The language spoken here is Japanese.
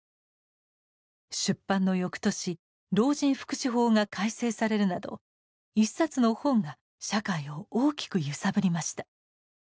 出版の翌年老人福祉法が改正されるなど一冊の本が社会を大きく揺さぶりました。